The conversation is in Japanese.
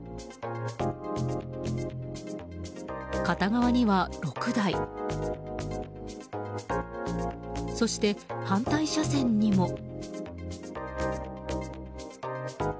片側には６台そして、反対車線にも。